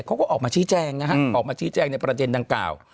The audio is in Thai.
เขาก็ออกมาชี้แจงนะฮะออกมาชี้แจงในประเด็นดังกล่าว